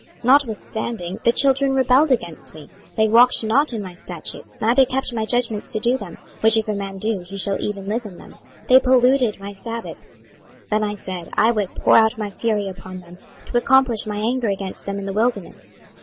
26:020:021 Notwithstanding the children rebelled against me: they walked not in my statutes, neither kept my judgments to do them, which if a man do, he shall even live in them; they polluted my sabbaths: then I said, I would pour out my fury upon them, to accomplish my anger against them in the wilderness.